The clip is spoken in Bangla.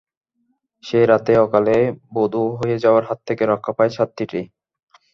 সেই রাতে অকালে বধূ হয়ে যাওয়ার হাত থেকে রক্ষা পায় ছাত্রীটি।